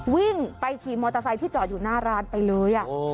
วิ่งไปขี่มอเตอร์ไซค์ที่จอดอยู่หน้าร้านไปเลย